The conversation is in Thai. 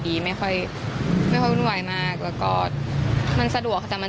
นึกเห็นไหมว่าเราเอาความปลอดภัยของเราไว้ก่อน